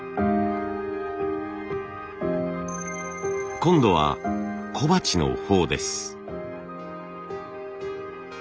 今度は小鉢のほうです。